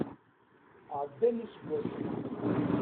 Ɛeddan iseggasen.